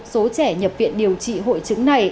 số trẻ nhập viện điều trị hội chứng này